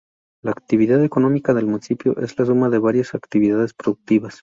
La actividad económica del Municipio es la suma de varias actividades productivas.